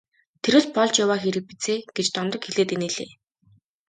Тэр л болж яваа хэрэг биз ээ гэж Дондог хэлээд инээлээ.